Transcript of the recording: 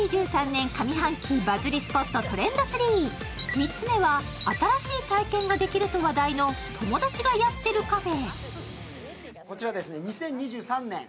３つ目は新しい体験ができると話題の友達がやってるカフェ。